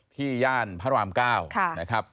ย่านพระราม๙นะครับ